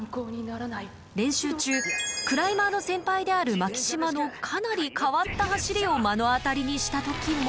練習中クライマーの先輩である巻島のかなり変わった走りを目の当たりにした時も。